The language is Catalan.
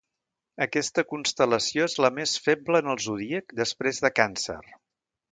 Aquesta constel·lació és la més feble en el zodíac després de Càncer.